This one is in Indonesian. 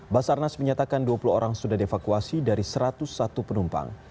basarnas menyatakan dua puluh orang sudah dievakuasi dari satu ratus satu penumpang